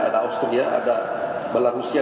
ada austria ada belarusia